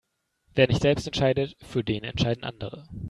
Wer nicht selbst entscheidet, für den entscheiden andere.